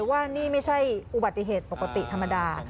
ว่านี่ไม่ใช่อุบัติเหตุปกติธรรมดา